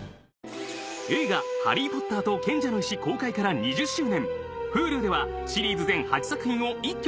映画『ハリー・ポッターと賢者の石』公開から２０周年Ｈｕｌｕではシリーズ全８作品を一挙